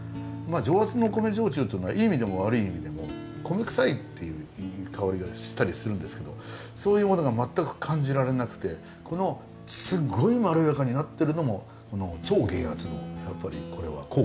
常圧の米焼酎っていうのはいい意味でも悪い意味でも米臭いっていう香りがしたりするんですけどそういうものが全く感じられなくてこのすごいまろやかになってるのも超減圧のやっぱりこれは効果なんですね。